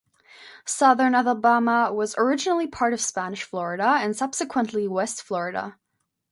Southern Alabama was originally part of Spanish Florida and subsequently West Florida.